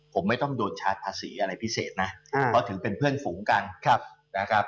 ผมไม่ต้องโดนชาร์จภาษีอะไรพิเศษนะเพราะถึงเป็นเพื่อนฝูงกันนะครับ